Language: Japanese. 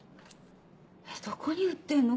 どこに売ってんの？